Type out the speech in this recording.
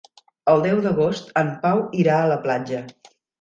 El deu d'agost en Pau irà a la platja.